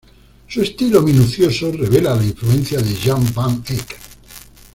Su estilo minucioso revela la influencia de Jan van Eyck.